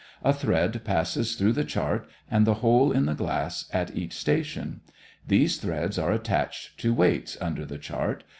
A thread passes through the chart and the hole in the glass at each station. These threads are attached to weights under the chart.